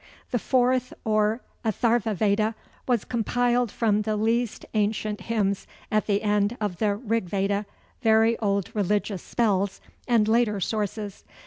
The fourth, or Atharva Veda, was compiled from the least ancient hymns at the end of the Rig Veda, very old religious spells, and later sources.